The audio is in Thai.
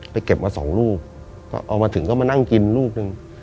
เก็บมาสองลูกก็เอามาถึงก็มานั่งกินลูกหนึ่ง